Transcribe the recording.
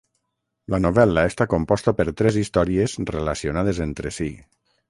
La novel·la està composta per tres històries relacionades entre si.